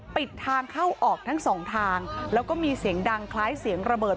ปิดทางเข้าออกทั้งสองทางแล้วก็มีเสียงดังคล้ายเสียงระเบิด